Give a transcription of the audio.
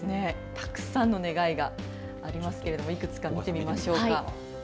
たくさんの願いがありますけれどもいくつか見てみましょうか。